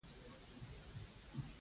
د خټکي اوبه د بدن هایډریټ ساتي.